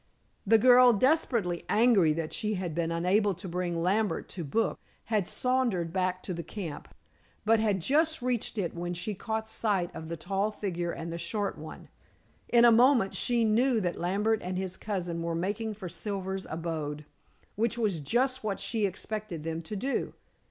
The girl, desperately angry that she had been unable to bring Lambert to book, had sauntered back to the camp, but had just reached it when she caught sight of the tall figure and the short one. In a moment she knew that Lambert and his cousin were making for Silver's abode, which was just what she had expected them to do.